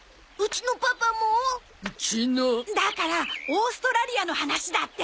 だからオーストラリアの話だって。